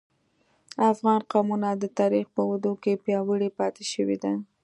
افغان قومونه د تاریخ په اوږدو کې پیاوړي پاتې شوي دي